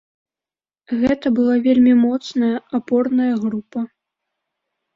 Гэта была вельмі моцная, апорная група.